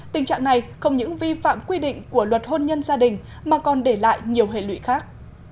tình trạng này không những vi phạm quy định của luật hôn nhân gia đình mà còn để lại nhiều hệ lụy khác